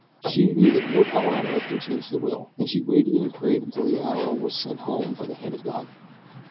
She knew that no power on earth can change the will, and she had waited and prayed till the arrow was sent home by the hand of God.